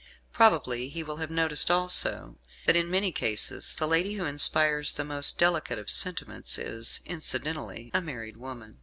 Probably he will have noticed also that, in many cases, the lady who inspires the most delicate of sentiments is, incidentally, a married woman.